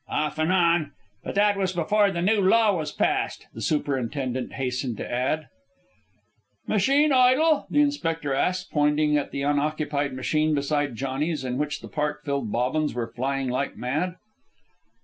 "Off and on but that was before the new law was passed," the superintendent hastened to add. "Machine idle?" the inspector asked, pointing at the unoccupied machine beside Johnny's, in which the part filled bobbins were flying like mad.